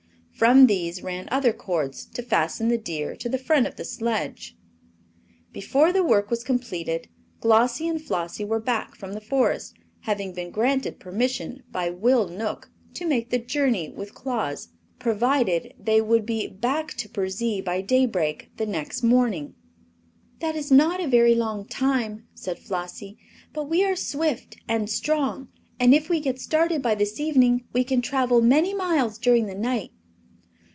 From these ran other cords to fasten the deer to the front of the sledge. Before the work was completed Glossie and Flossie were back from the Forest, having been granted permission by Will Knook to make the journey with Claus provided they would to Burzee by daybreak the next morning. "That is not a very long time," said Flossie; "but we are swift and strong, and if we get started by this evening we can travel many miles during the night."